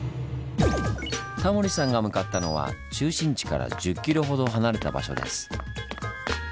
タモリさんが向かったのは中心地から１０キロほど離れた場所です。